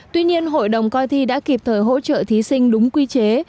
tuy nhiên hội đồng coi thi đã kịp thời hỗ trợ thí sinh đúng quy chế